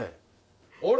あれ？